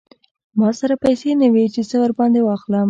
ما سره پیسې نه وې چې څه ور باندې واخلم.